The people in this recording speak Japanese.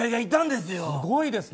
すごいですね。